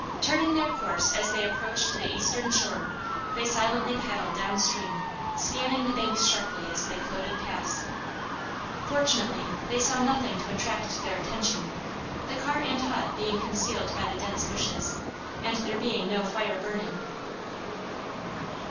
Turning their course as they approached the eastern shore they silently paddled down stream, scanning the hanks sharply as they floated past. Fortunately they saw nothing to attract their attention; the cart and hut being concealed by the dense bushes, and there being no fire burning.